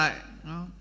giảm đi lại